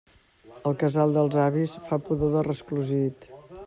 El casal dels avis fa pudor de resclosit.